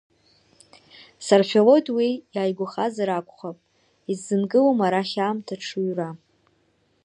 Саршәалоит уи иааигәахазар акәхап, исзынкылом арахь аамҭа аҽуыра.